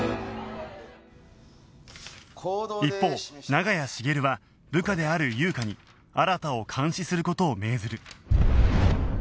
一方長屋茂は部下である優香に新を監視する事を命ずる